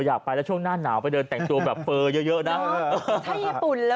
อยากไปแล้วช่วงหน้าหนาวเข้าเดินตั้งตัวเฟ่อเยอะนะ